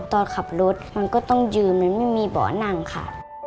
ตอนขับรถมันก็ต้องยืนมันไม่มีเบาะนั่งค่ะ